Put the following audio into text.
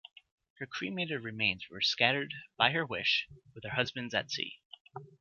Her cremated remains were scattered by her wish with her husband's at sea.